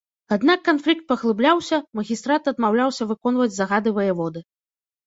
Аднак канфлікт паглыбляўся, магістрат адмаўляўся выконваць загады ваяводы.